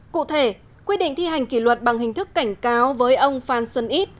cụ thể quy định thi hành kỷ luật bằng hình thức cảnh cáo với ông phan xuân ít